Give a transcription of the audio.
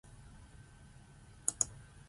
Kungani bonke abantu kulesi sithombe bebuka uLanga?